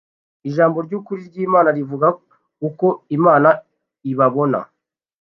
Ijambo ry’ukuri ry’Imana rivuga uko Imana ibabona